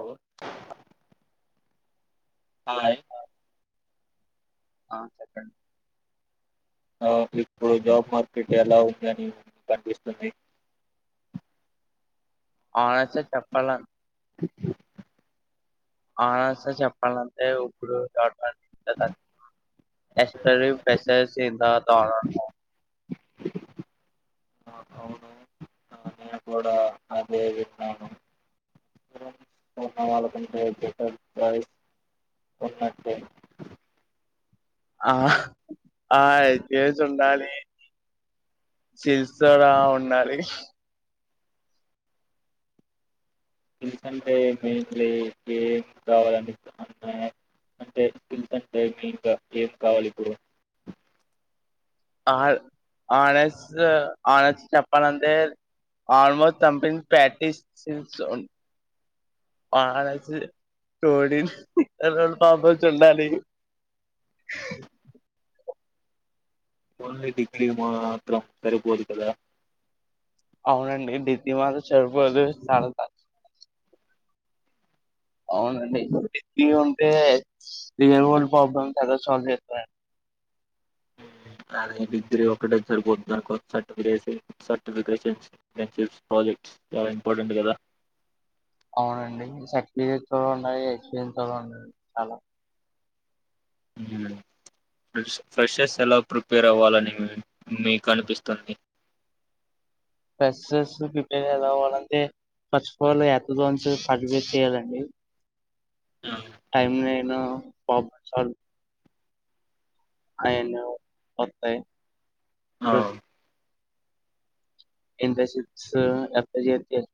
అ [unintelligible] hi ఆ చెప్పండి ఆ ఇప్పుడు జాబ్ మార్కెట్ ఎలా ఉందని కనిపిస్తుంది అవునా సార్ చెప్పాల అవున సార్ చెప్పాలంటే ఇప్పుడు డాట్ పా [unintelligible] ఎస్టర్డే మెసేజ్ దాన [unintelligible] ఆ, అవును ఆ, నేను కూడా అదే వింటను ఉన్న వాళ్ళకంటే బెటర్ ప్రైస్ ఉన్నట్టే ఆ ఐచేసుండాలి చేస్తూనే ఉండాలి ఎంతంటే ఎం ఎం ఎం ఎం కావాలని అన్నా అంటే మేయిన్ గా ఎం కావాలి ఇప్పుడు ఆ ఆనస్ ఆనస్ చెప్పాలంతే ఆల్మోస్ట్ జంపింగ్ ప్రాక్టిసస్ ఆనస్ చూడి రో పాంపచ [unintelligible] ఉండాలి ఓన్లీ డిగ్రీ మాత్రం సరిపోదు కదా అవునండి డిగ్రీ మాత్రం సరిపోదు [unintelligible] అవునండి డిగ్రీ ఉంటే. యువన్ ప్రాబ్లం తెలుస్తుంది అండీ అదే డిగ్రీ ఒక్కటే సరిపోతు దానికో సర్టిఫికేసి సర్టిఫికేషన్స్ చూసుకోవాలి చాలా ఇంపార్టెంట్ కదా అవునండి సర్టిఫికెట్స్ ఉన్నాయి ఎక్స్పీరియన్స్ కూడా ఉన్నా ది చాలా ఫ్రెష్ ఫ్రెషెరస్ ఎలా ప్రిపేర్ అవ్వాలని మిక్ మీకు అనిపిస్తుంది ఫ్రెషర్స్ ప్రిపేరెలవ్వలంటే ఫస్ట్ ఫోన్ ఎక్కడనుండి అడ్మిట్ చేయాలండి [unintelligible] టైం మెనూ [unintelligible] అయను కొత్తే ఆ [inaudible] ఎంత చిప్స్ ఎంత చేస్తే ఎంత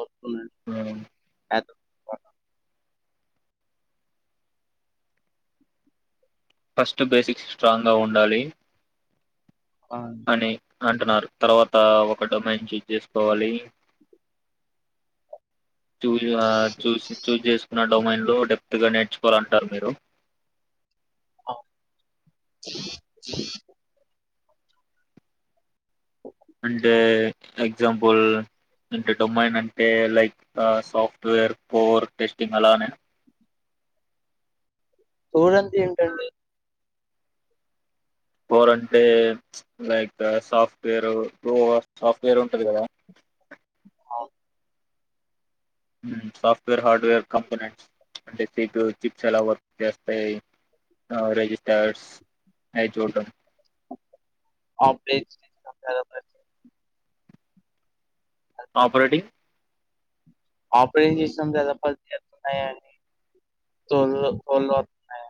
అవుతుంది అండీ ఫస్ట్ బేసిక్స్ స్ట్రాంగ్ గా ఉండాలి అవును. అని అంటున్నారు తర్వాత ఒకటి మంచి తిసుకోవాలి చూ ఆ చూసి చూస్ చేసుకున్నాట్ డొమైన్ లో డెప్త్ గా నేర్చుకోవాలంటారు మీరు అంటే ఎగ్జాంపుల్ ఇంట డొమైన్ అంటే లైక్ సాఫ్ట్వేర్ పోర్ టెస్టింగ్ అలానే [unintelligible] అంటే ఏంటండి కోర్ అంటే లైక్ సాఫ్ట్వేర్ సాఫ్ట్వేర్ ఉంటది గదా అవ్ హ్మ్ సాఫ్ట్వేర్ హార్డ్వేర్ కంపెని అంటే త్రీ టూ చిప్స్ ఎలా వర్క్ చేస్తాయి రిజిస్టార్స్ అయి చూడ్డం ఆ [unintelligible] ఆపరేటింగ్ ఆపరేషన్ చేసినాం గదా పని జేత్తున్నాయా అని తొల్లు తో వొత్తున్నాయా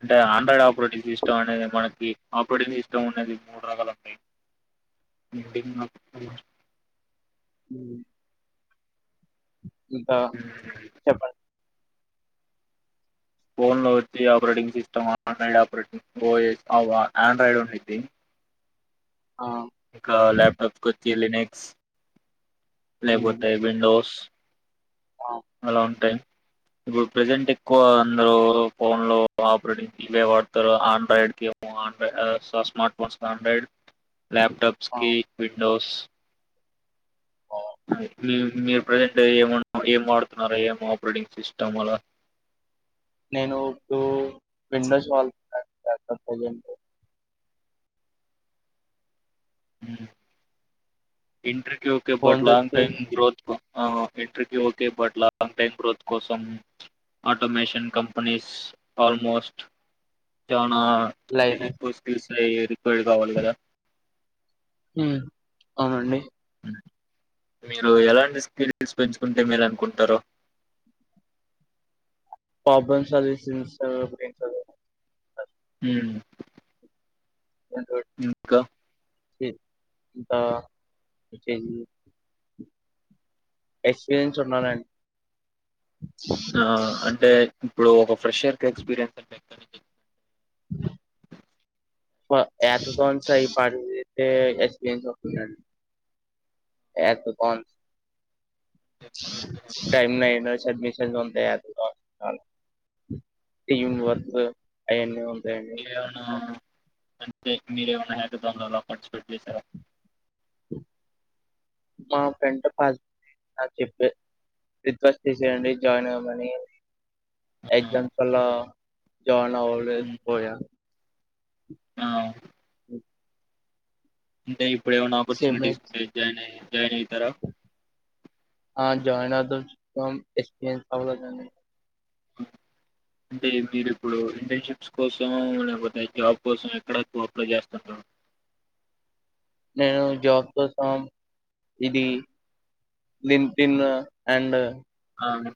అంటే ఆండ్ర్రాయిడ్ అప్ ప్రొటి దీస్తాండేదే మనకి ఆపరేటింగ్ సిస్టం ఉన్నది మూడు రకాలుంటాయ్ [unintelligible] హ్మ్ ఇంతా చెప్పన్ ఫోన్లో వచ్చి ఆపరేటింగ్ సిస్టమ్ ఆండ్రాయిడ్ ఆపరేటింగ్ ఓఎ అ ఆండ్రాయిడ్ ఉండిద్ది ఆ! కా లాప్టాప్ కొ కిలినెక్స్ హ్మ్. లేకపోతే విండోస్ ఆ! అలా ఉంటాయ్ ఇప్పుడు ప్రెజెంట్ ఎక్కువ అందరూ ఫోన్ లో ఆపరేటింగ్ కి ఇవే వాడతారు ఆండ్రాయిడ్ కి [inaudible] smart phones Android laptops కి విండోస్ ఆ! హ్మ్ మీ మీరు ప్రజెంట్ ఏమ ఏం వాడుతున్నారా ఏమ్ ఆపరేటింగ్ సిస్టమ్ అలా నేను ఉప్పు విండోస్ వాల్ [inaudible] ఊ ఇంట్రి కి ఓకే బట్ ఫోన్ది లాంగ్ టైమ్ వచ్చేసి గ్రోత్ కు ఆ ఇంట్ర్రీ కి okay but long time growth కోసం ఆటోమేషన్ కంపెనీస్ ఆల్మోస్ట్ [inaudible] నా [inaudible] లైనస్ ప్లెయ్ రిఫైడ్ కావాలి కదా ఉమ్ అవునండి మీరు ఎలాంటి స్కిల్స్ పెంచుకుంటే మేలు అనుకుంటారు [unintelligible] ఉమ్ చదువుకుంటుంటి ఇంకా [unintelligible] ఎక్స్పీరియన్స్ ఉండాలా అండి ఆ అంటే ఇప్పుడు ఒక ఫ్రెషయర్ ఎక్స్పీరియన్స్ అ ఎత్త క స ఈ పతే ఎపీన్స్తు అంటే [unintelligible] ఏ అవునా అంటే మీరేమన్నా పాటిస్పేట్ చేసార మా ఫ్రెండ్ చెప్పే రిక్వెస్ట్ తీసేయండి జాయిన్ అవమని ఆ! ఎగ్జామ్స్ వల్ల జాయిన్ నా ఓల్డ్ ఏజ్ హ్మ్. పోయా ఆ ఓ అంటే ఇప్పుడు ఏమన్నా ఆపర్చునిటీ సిమెట్స్ ఇస్తే జాయిన్ అ ఆ జాయినాతన్ స [unintelligible] అంటే మీరు ఇప్పుడు ఇంటర్న్షిప్స్ కోసం లేకపోతే జాబ్ కోసం ఎక్కడ ఎక్కువ అప్లై చేస్తున్నారు నేను జాబ్ కోసం ఇది లింటిన్ అండ్ అవును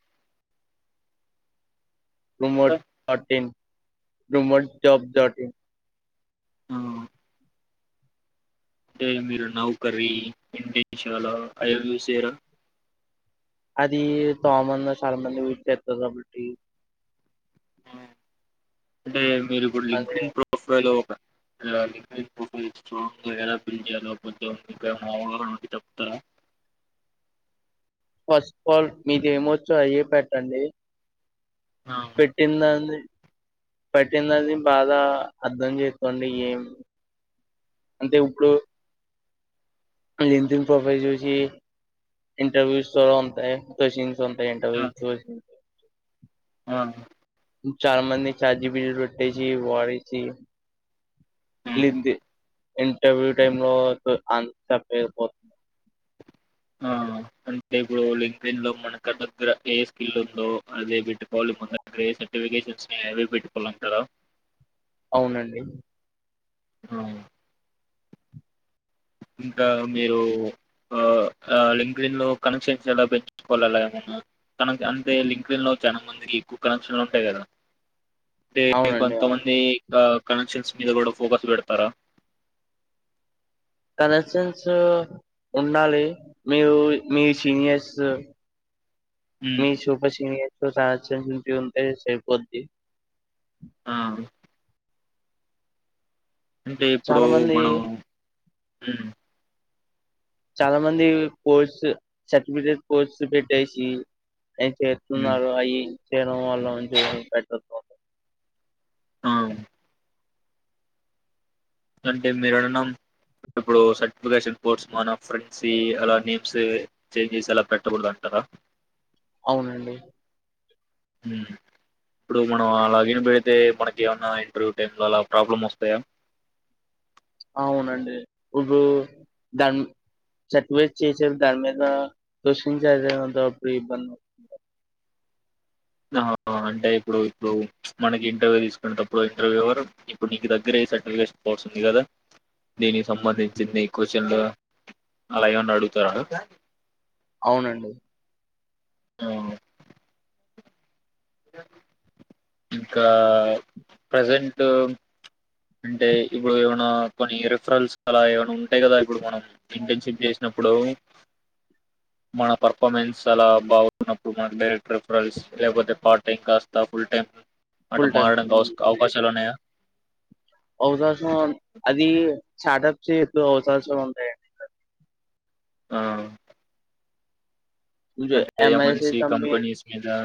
ఇంకా? Remote fourteen rumour job chatting ఆ అంటే మీరు నౌకరీ ఇండిజువల్. లో అవి యూస్ చేయరా అది కామన్ చాలా మంది యూస్ చేస్తారు కాబట్టి అంటే మీరు అది లింక్డిన్ ప్రొఫైలలో ఒక [unintelligible] ఫస్ట్ ఫాల్ మీకు ఏమొచ్చో అయ్యే పెట్టండి ఆ పెట్టిందాన్ని పెట్టిందాన్ని బాగ అర్థం చేసుకోండి ఏం అంటే ఇప్పుడు లింక్డిన్ ప్రొఫైల్ చూసి ఇంటర్వ్యూసో ఉంటాయి సొంత ఆ ఇంటర్వ్యూస్ చూసి ఆ [unintelligible] ఉమ్, ఎంది ఇంటర్వ్యూ టైమ్ లో [unintelligible] ఆ అంటే ఇప్పుడు లింక్న్ లో మనకు దగ్గర ఏ స్కిల్ ఉందో అదే పెట్టుకోవాలి మన దగ్గర ఏ సర్టిఫికేషన్స్ అవి పెట్టుకోవాలింటారా. అవునండి ఆ ఇంకా మీరు ఆ లింక్డిన్ లో కనెక్షన్స్ ఎలా పెంచుకోవాలలా ఏమన్నా కనె అంటే లింక్డిన్ లో చాలా మందికి ఎక్కువ కనెక్షన్లు ఉంటాయి కదా అంటే అవునండి కొంతమందీ ఆ కనెక్షన్స్ మీద కూడ ఫోకస్ పెడతార కనెక్షన్ సు ఉండాలి మీరు మి సీనియర్స్ హ్మ్. మీ సూపర్ సీనియర్ [unintelligible] ఆ అంటే ఇప్పుడు చాలా మంది మనం హు చాల మంది కోర్స్ సర్టిఫికేట్ కోర్స్ ప్రిపేర్ చేసి అ హ్మ్. చేస్తున్నారు అయి [unintelligible] ఆ అంటే మీరు అన్నా ఇప్పుడు సర్టిఫికేషన్ కోర్స్ మన ఫ్రెండ్స్ అలా నేమ్స్ చేంజ్ చేసి అలా పెట్టకూడదు అంటార అవునండి. హు ఇప్పుడు మనం అలాగని పెడితే మనకి ఏమన్నా ఇంటర్వ్యూ టైమ్ లో అలా ప్రాబ్లమ్ వస్తాయా అవునండి ఇప్పుడు దాన్ని చాట్ వేట్ చేసేటప్పుడు దాని మీదా ప్రశ్నించే అధికారముంటుంది అప్పుడు ఇబ్బంది అవుతుంది. ఆ ఆ అంటే ఇప్పుడు ఇప్పుడు మనకి ఇంటర్వ్యూ తీసుకునేటప్పుడు ఇంటర్వ్యూర్ ఇప్పుడు నీకు దగ్గర ఏ సర్టిఫికేషన్ కోర్స్ ఉంది కదా దీని కి అవుతుంది సంబంధించింది ఈ క్వశ్చన్ లో అలా ఏమన్న అడుగుతార అవునండి. అవును ఇంకా ప్రెసెంట్ అంటే ఇప్పుడు ఏమైనా కొన్ని రిఫరల్స్ అలా ఏమైన ఉంటాయి కదా ఇప్పుడు మనం ఇంటర్న్షిప్ చేసినప్పుడూ మన పర్ఫార్మెన్స్ అలా బాగున్నప్పుడు మన డైరెక్ట్ రిఫరల్స్ లేకపోతె పార్ట్ టైం కాస్త ఫుల్ టైం అట ఫుల్ టైమ్ మారడానికి అవస్ అవకాశాలు ఉన్నాయా. అవకాశం అదీ స్టార్టప్స్ చేసే అవకాశం ఉంటాయండి ఆ అంటే కంపనీస్ మీదా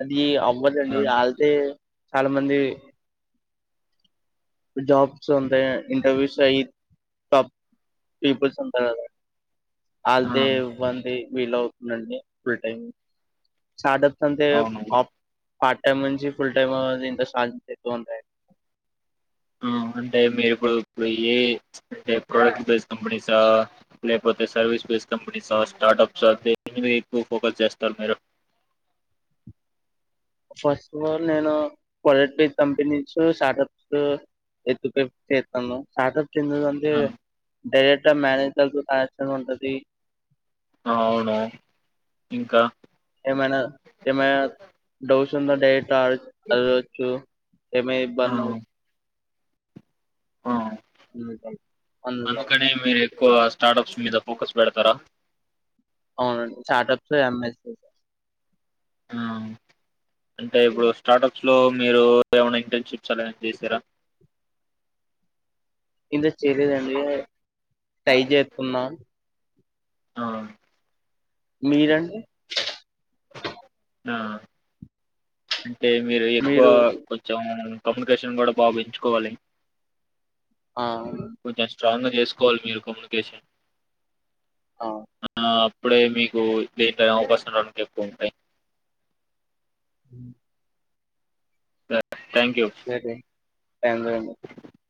అదీ అవ్వదండీ ఆళతే చాలా మంది జాబ్స్ ఉంటే ఇంటర్వ్యూస్ ఐ టాప్ పీపుల్స్ అంతా ఆ all they one the we love నండి ఫ్రీ టైం స్టార్టప్స్ అంతే అవును ఆప్ పార్ట్ టైమ్ నుంచి ఫుల్ టైము దీంట్లో సాలరీ ఎక్కువుంటాయి ఆ అంటే మీరిప్పుడు ఇప్పుడు ఏ అంటే ప్రోడక్ట్ బేస్డ్ కంపెనీసా లేకపోతే సర్వీస్ బేస్ కంపెనీసా స్టార్టప్స్ దీని మీద ఎక్కువ ఫోకస్ చేస్తారు మీరు ఫస్ట్ ఆఫ్ ఆల్ నేనూ క్వాలిటీ కంపెనీస్ స్టార్టప్స్ ఎక్కువ ప్రిఫరెన్స్ చేస్తాను స్టార్టప్ చిన్నదంతే ఆ డైరెక్ట్ మ్యానేజ్ కు కాయచడం ఉంటది అవును ఇంకా ఏమైనా ఏమైనా డౌట్స్ ఉందా డైరెక్ట్ గా కలవచ్చు ఏమైనా ఆ ఇబ్బందవు ఆ అందుకనే మీరు [inaudible] స్టార్టప్స్ మీద ఫోకస్ పెడతరా అవునండి స్టార్టప్స్ ఎంఎస్ స్ ఆ అంటే ఇప్పుడు స్టార్టప్స్ లో మీరు ఏమైనా ఇంటర్న్షిప్స్ అలా ఏమైన చేశారా ఇంక చేయలేదండి ట్రై చేస్తున్న ఆ మీరండీ ఆ అ అంటే మీరు ఎక్కువ కొంచెం కమ్యూనికేషన్ కూడా భావించుకోవాలి ఆ కొంచెం స్ట్రాంగ్ గా చేసుకోవాలి మీరు కమ్యూనికేషన్ ఆ ఆ ఇప్పుడే మీకు లేట్ అవకాశం ఎక్కువ ఉంటాయి మ్మ్ థ్యాంక్ యూ [unintelligible]